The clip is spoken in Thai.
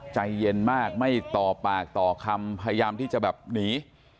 ใจเย็นมากไม่ต่อปากต่อคำพยายามที่จะแบบหนี